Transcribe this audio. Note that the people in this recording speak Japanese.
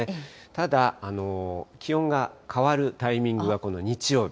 ただ気温が変わるタイミングがこの日曜日。